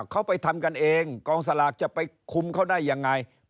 เขาไปทำกันเองกองสลากจะไปคุมเขาได้ยังไง